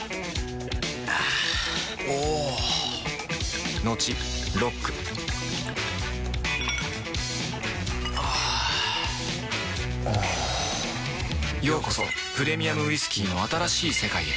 あぁおぉトクトクあぁおぉようこそプレミアムウイスキーの新しい世界へ